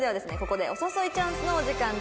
ここでお誘いチャンスのお時間です。